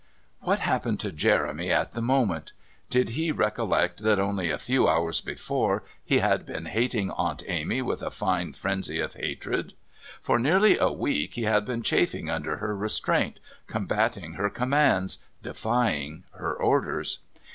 What happened to Jeremy at the moment? Did he recollect that only a few hours before he had been hating Aunt Amy with a fine frenzy of hatred? For nearly a week he had been chafing under her restraint, combating her commands, defying her orders.